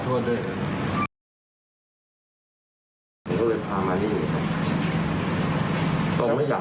ทรงนะอย่าไม่เกิดก็ทัน